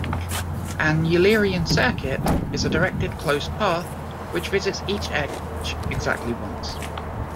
An Eulerian circuit is a directed closed path which visits each edge exactly once.